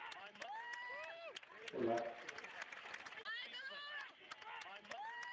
Participó en diversas reuniones en las que se planeó la insurrección contra España.